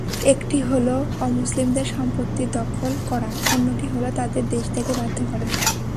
একটি হলো অমুসলিমদের সম্পত্তি দখল করা, অন্যটি হলো তাঁদের দেশত্যাগে বাধ্য করা।